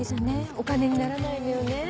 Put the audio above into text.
お金にならないのよね。